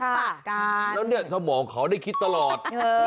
และเนี่ยสมองเค้าได้คิดตลอด